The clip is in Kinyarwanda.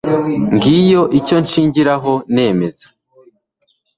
ngicyo icyo nshingiraho nemeza